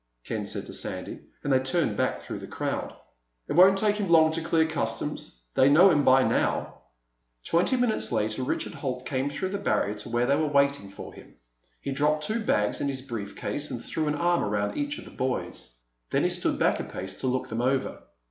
Ken said to Sandy, and they turned back through the crowd. "It won't take him long to clear customs. They know him by now." Twenty minutes later Richard Holt came through the barrier to where they were waiting for him. He dropped two bags and his brief case and threw an arm around each of the boys. Then he stood back a pace to look them over.